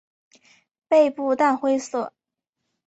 背部淡灰色。